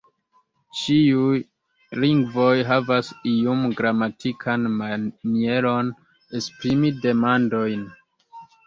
Ĉiuj lingvoj havas iun gramatikan manieron esprimi demandojn.